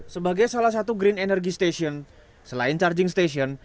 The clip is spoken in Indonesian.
sebagai salah satu green energy station selain charging station